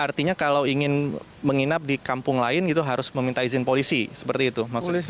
artinya kalau ingin menginap di kampung lain itu harus meminta izin polisi seperti itu